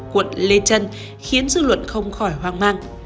quận lê trân khiến dư luận không khỏi hoang mang